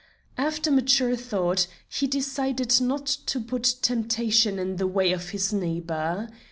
After mature thought he decided not to put temptation in the way of his neighbor.